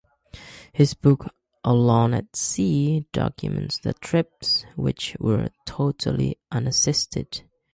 His book "Alone at Sea" documents the trips, which were totally unassisted.